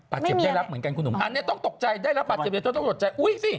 ไม่มีอะไรอันนี้ต้องตกใจได้รับบาดเจ็บต้องตกใจอุ๊ยสิ